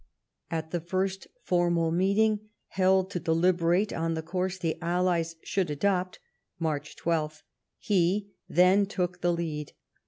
At the first formal meeting held to deliberate on the course the Allies should adopt (March 12), he, then, took the lead.